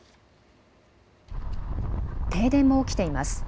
停電も起きています。